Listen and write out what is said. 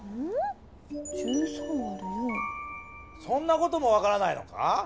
そんなこともわからないのか？